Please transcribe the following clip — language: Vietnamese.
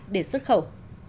để xuất khẩu